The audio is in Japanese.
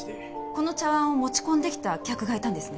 この茶碗を持ち込んできた客がいたんですね？